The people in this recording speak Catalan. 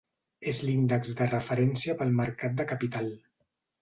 És l'índex de referència pel mercat de capital.